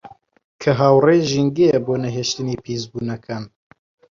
کە هاوڕێی ژینگەیە بۆ نەهێشتنی پیسبوونەکان